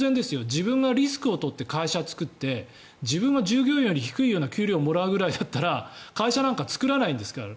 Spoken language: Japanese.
自分がリスクを取って会社を作って自分が従業員より低い給料をもらうぐらいだったら会社なんか作らないんですから。